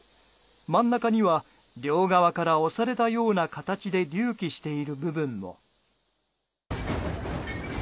真ん中には両側から押されたような形で隆起している部分も。